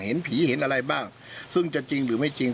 เห็นผีเห็นอะไรบ้างซึ่งจะจริงหรือไม่จริง